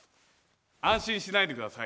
安心しないで下さい。